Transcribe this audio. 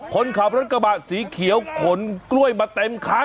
คนขับรถกระบะสีเขียวขนกล้วยมาเต็มคัน